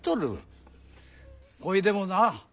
ほいでもな